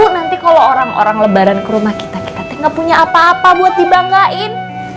nanti kalau orang orang lebaran ke rumah kita kita teh gak punya apa apa buat dibanggain